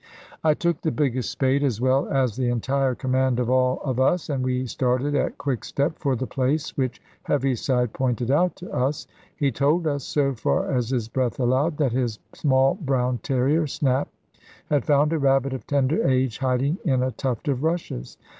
I took the biggest spade, as well as the entire command of all of us, and we started at quick step for the place which Heaviside pointed out to us. He told us, so far as his breath allowed, that his small brown terrier Snap had found a rabbit of tender age hiding in a tuft of rushes.